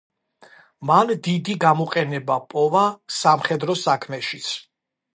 მან დიდი გამოყენება პოვა სამხედრო საქმეშიც.